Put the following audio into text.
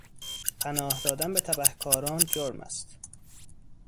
پناه دادن به تبهکاران جرم است.